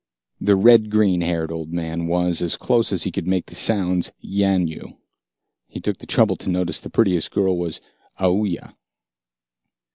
The red green haired old man was, as close as he could make the sounds, Yanyoo. He took the trouble to notice that the prettiest girl was Aoooya.